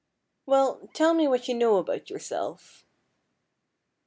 " Well, tell me what you know about your self."